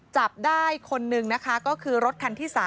จับได้คนนึงนะคะก็คือรถคันที่๓